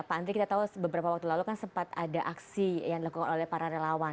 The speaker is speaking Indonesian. pak andri kita tahu beberapa waktu lalu kan sempat ada aksi yang dilakukan oleh para relawan